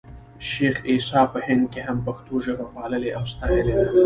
شېخ عیسي په هند کښي هم پښتو ژبه پاللـې او ساتلې ده.